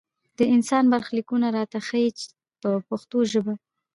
د انسان برخلیکونه راته ښيي په پښتو ژبه.